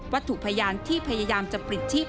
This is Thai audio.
ถูกพยานที่พยายามจะปลิดชีพ